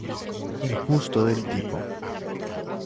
Injusto del tipo.